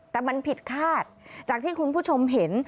แต่มันผิดคาดจากที่คุณผู้ชมเห็น